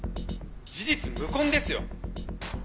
事実無根ですよ！